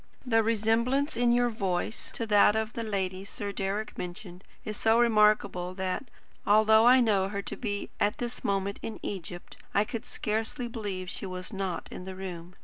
The resemblance in your voice to that of the lady Sir Deryck mentioned is so remarkable that, although I know her to be at this moment in Egypt, I could scarcely believe she was not in the room.